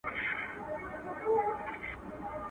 د يوسف عليه السلام وروڼو ډير ستر جرمونه وکړل.